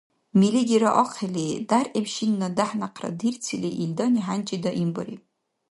Милигира ахъили, дяргӀиб шинни дяхӀ-някъра дирцили, илдани хӀянчи даимбариб.